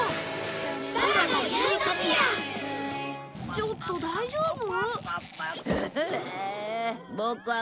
ちょっと大丈夫？は